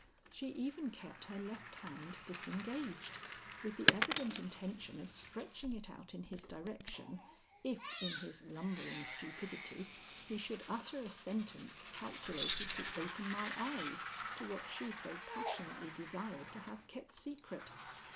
She even kept her left hand disengaged, with the evident intention of stretching it out in his direction if in his lumbering stupidity he should utter a sentence calculated to open my eyes to what she so passionately desired to have kept secret.